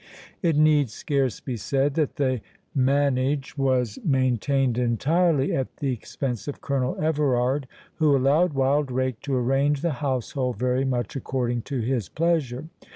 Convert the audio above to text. It need scarce be said that the manege was maintained entirely at the expense of Colonel Everard, who allowed Wildrake to arrange the household very much according to his pleasure.